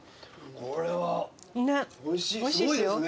これはおいしいすごいですね。